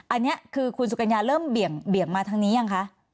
อันนี้คือคุณสุกัญญาเริ่มเบี่ยงมาทางนี้ยังคะ